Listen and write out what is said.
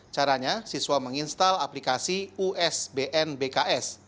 caranya siswa menginstal aplikasi usbn bks